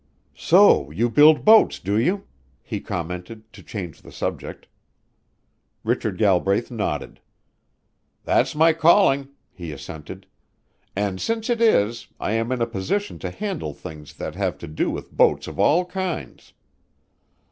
"So you build boats, do you?" he commented to change the subject. Richard Galbraith nodded. "That's my calling," he assented. "And since it is, I am in a position to handle things that have to do with boats of all kinds.